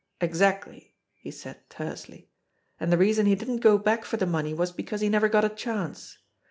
"Exactly!" he said tersely. "And the reason he didn't go back for the money was because he never got a chance.